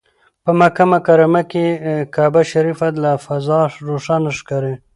په مکه مکرمه کې کعبه شریفه له فضا روښانه ښکاري.